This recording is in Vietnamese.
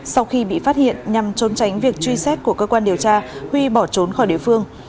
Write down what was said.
sau khi bị phát hiện nhằm trốn tránh việc truy xét của cơ quan điều tra huy bỏ trốn khỏi địa phương